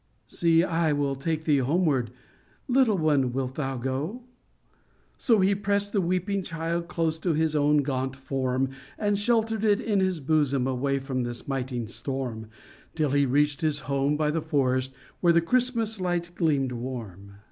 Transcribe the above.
" See, I will take thee homeward ! Little one, wilt thou go ?" So he pressed the weeping baby close to his own gaunt form, And sheltered it in his bosom, away from the smiting storm, Till he reached his home by the forest, where the Christmas lights gleamed warm.